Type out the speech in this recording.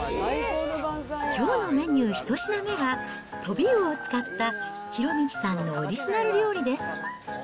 きょうのメニュー１品目は、トビウオを使った、博道さんのオリジナル料理です。